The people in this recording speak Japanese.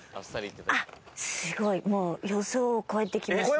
すごい、もう予想を超えてきました。